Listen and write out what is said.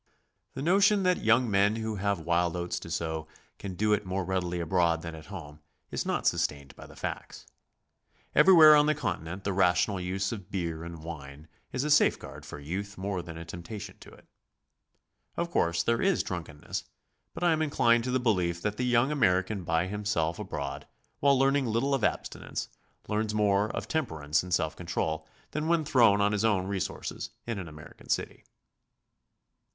The notion that young men who have wild oats to sow can do it more readily abroad than at home, is not sustained 8 GOING ABROAD? by the facts. Everywhere on the Continent the rational use of beer and wine is a safe guard for youth more than a temp tation to it. Of course there is drunkenness, but I am inclined to the belief that the young American by himself abroad, while learning little of abstinence, learns more of temperance and self control than when thrown on his own resources in an American city.